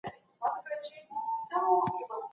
ميرويس خان نيکه خپلو زامنو ته څه سپارښتنې وکړي؟